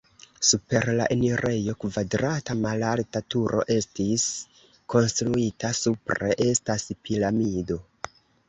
Super la enirejo kvadrata malalta turo estis konstruita, supre estas piramido.